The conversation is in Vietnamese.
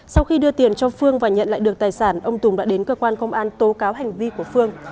sau khi đưa tiền cho phương và nhận lại được tài sản ông tùng đã đến cơ quan công an tố cáo hành vi của phương